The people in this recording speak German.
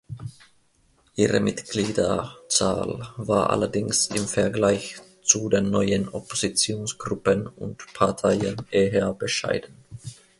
Ihre Mitgliederzahl war allerdings im Vergleich zu den neuen Oppositionsgruppen und Parteien eher bescheiden.